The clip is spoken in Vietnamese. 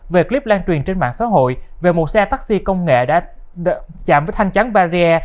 về clip lan truyền trên mạng xã hội về một xe taxi công nghệ đã chạm với thanh chắn barrier